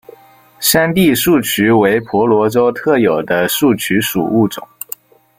山地树鼩为婆罗洲特有的树鼩属物种。